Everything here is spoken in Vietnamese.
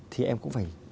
thì em cũng phải